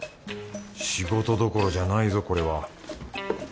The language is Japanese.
仕事どころじゃないぞこれは。